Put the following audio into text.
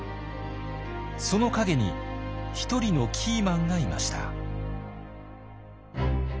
その陰に一人のキーマンがいました。